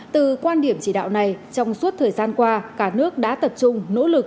từ quan điểm chỉ đạo này trong suốt thời gian qua cả nước đã tập trung nỗ lực